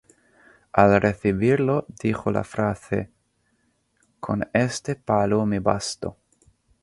Al recibirlo dijo la frase: "Con este palo me basto".